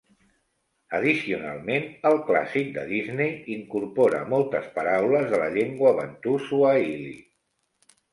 Addicionalment, el clàssic de Disney incorpora moltes paraules de la llengua Bantu Swahili.